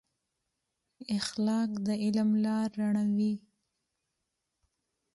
اخلاق د علم لار رڼوي.